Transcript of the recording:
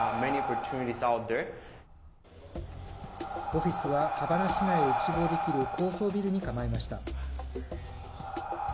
オフィスはハバナ市内を一望できる高層ビルに構えました。